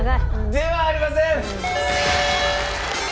ではありません！